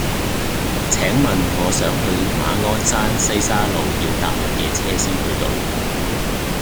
請問我想去馬鞍山西沙路要搭乜嘢車先去到